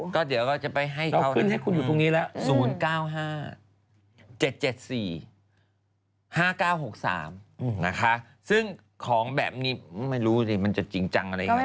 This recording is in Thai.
ก็เดี๋ยวก็จะไปให้เขา๐๙๕๗๗๔๕๙๖๓นะคะซึ่งของแบบนี้ไม่รู้สิมันจะจริงจังอะไรอย่างนี้